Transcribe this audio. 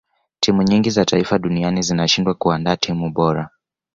timu nyingi za taifa duninai zinashindwa kuandaa timu bora